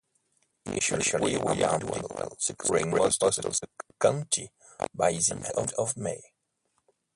Initially, William did well, securing most of the county by the end of May.